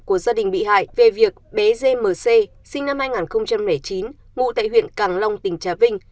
của gia đình bị hại về việc bé d m c sinh năm hai nghìn chín ngụ tại huyện càng long tỉnh trà vinh